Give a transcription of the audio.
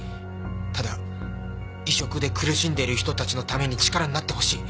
ただ「移植で苦しんでいる人たちのために力になってほしい」